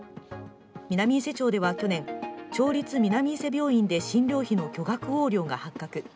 南伊勢町では去年、町立南伊勢病院で診療費の巨額横領が発覚。